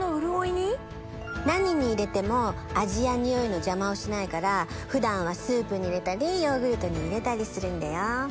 何に入れても味や匂いの邪魔をしないから普段はスープに入れたりヨーグルトに入れたりするんだよ。